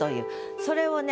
それをね